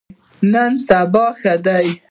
نن سبا ښه دي.